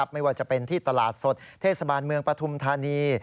ไม่ว่าจะเป็นที่ตลาดสดเทศบาลเมืองปฐุมธานี